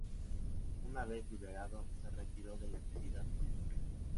Una vez liberado, se retiró de la actividad política.